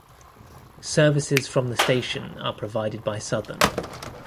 Services from the station are provided by Southern.